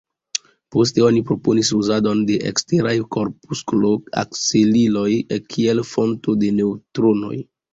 Poste oni proponis uzadon de eksteraj korpusklo-akceliloj kiel fonton de neŭtronoj.